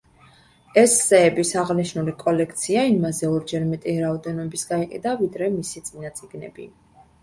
ესსეების აღნიშნული კოლექცია იმაზე ორჯერ მეტი რაოდენობის გაიყიდა, ვიდრე მისი წინა წიგნები.